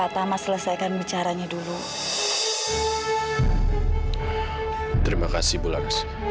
terima kasih bulan